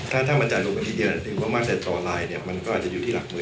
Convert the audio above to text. ถ้ามาจากโรควิดีโอมาตั้งแต่ต่อลายก็อาจจะอยู่ที่หลักมือ